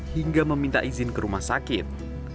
hingga meminta izin ke rumah sakit